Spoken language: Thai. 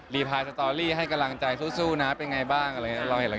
รีไพล์สตอริให้กำลังใจสู้นะเป็นไงอย่างบ้าง